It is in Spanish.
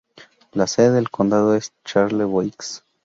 La sede del condado es Charlevoix.